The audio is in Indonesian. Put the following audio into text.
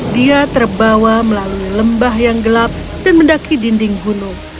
dia terbawa melalui lembah yang gelap dan mendaki dinding gunung